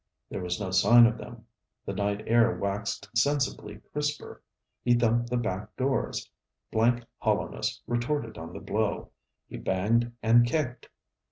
There was no sign of them. The night air waxed sensibly crisper. He thumped the backdoors. Blank hollowness retorted on the blow. He banged and kicked.